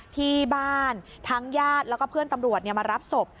ที่บ้านทั้งญาติแล้วก็เพื่อนตำรวจมารับศพ